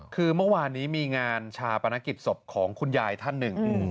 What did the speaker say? คือเมื่อวานนี้มีงานชาปนกิจศพของคุณยายท่านหนึ่ง